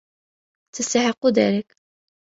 تستحق ذلك.